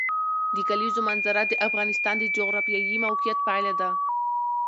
د کلیزو منظره د افغانستان د جغرافیایي موقیعت پایله ده.